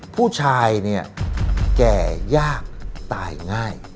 ผู้ชายเนี่ยแก่ยากตายง่าย